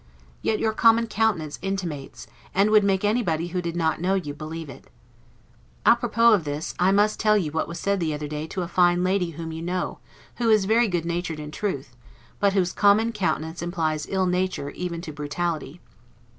Yet your common countenance intimates, and would make anybody who did not know you, believe it. 'A propos' of this, I must tell you what was said the other day to a fine lady whom you know, who is very good natured in truth, but whose common countenance implies ill nature, even to brutality.